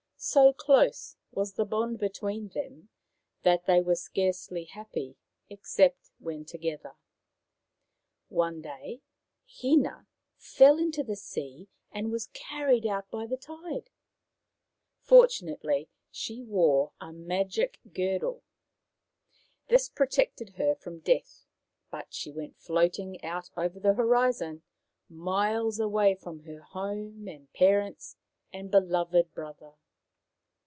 So close was the bond between them that they were scarcely happy except when together. One day Hina fell into the sea and was carried out by the tide. Fortunately she wore a magic girdle. This protected her from death, but she went floating out over the horizon, miles away from her home and parents and beloved brother.